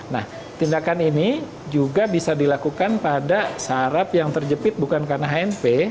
nah tindakan ini juga bisa dilakukan pada sarap yang terjepit bukan karena hnp